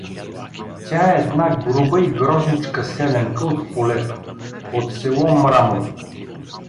Тя е една груба и грозничка селянка от полето, от село Мрамор.